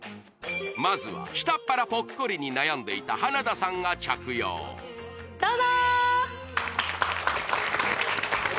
まずは下っ腹ポッコリに悩んでいた花田さんが着用どうぞー！